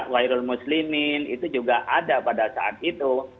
khairul muslimin itu juga ada pada saat itu